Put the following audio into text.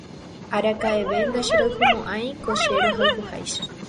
Araka'eve ndacherayhumo'ãi ko che rohayhuháicha